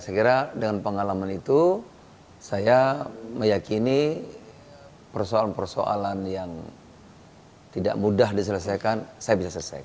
saya kira dengan pengalaman itu saya meyakini persoalan persoalan yang tidak mudah diselesaikan saya bisa selesai